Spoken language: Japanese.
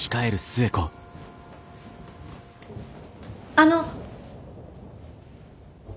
・あの！